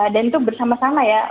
dan itu bersama sama ya